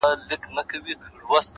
خداى نه چي زه خواست كوم نو دغـــه وي;